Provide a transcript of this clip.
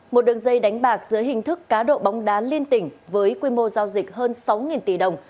một đường dây đánh bạc dưới hình thức cá độ bóng đá liên tỉnh với quy mô giao dịch hơn sáu tỷ đồng